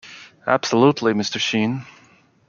Absolutely, Mister Shean!